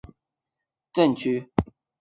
索尔福德百户区包含了几个教区和镇区。